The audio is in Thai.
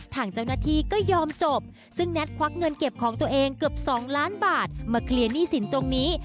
ทางเจ้าหน้าที่ก็ยอมจบซึ่งแน็ตควักเงินเก็บของตัวเองเกือบ๒ล้านบาทมาเคลียร์หนี้สินตรงนี้